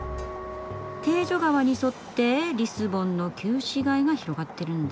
テージョ川に沿ってリスボンの旧市街が広がってるんだ。